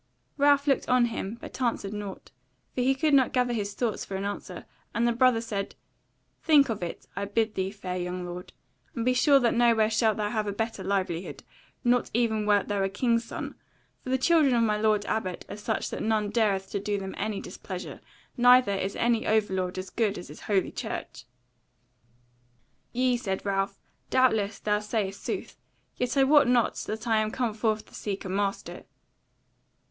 Ralph looked on him, but answered nought, for he could not gather his thoughts for an answer; and the brother said: "Think of it, I bid thee, fair young lord; and be sure that nowhere shalt thou have a better livelihood, not even wert thou a king's son; for the children of my lord Abbot are such that none dareth to do them any displeasure; neither is any overlord as good as is Holy Church." "Yea," said Ralph, "doubtless thou sayest sooth; yet I wot not that I am come forth to seek a master."